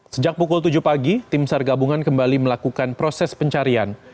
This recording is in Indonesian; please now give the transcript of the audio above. sejak pukul tujuh pagi tim sar gabungan kembali melakukan proses pencarian